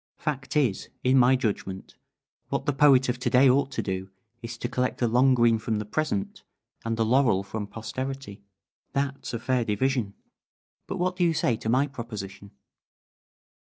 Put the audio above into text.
Fact is, in my judgment, what the poet of to day ought to do is to collect the long green from the present and the laurel from posterity. That's a fair division. But what do you say to my proposition?"